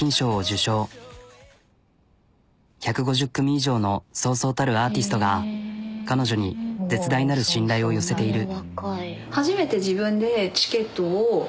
１５０組以上のそうそうたるアーティストが彼女に絶大なる信頼を寄せている。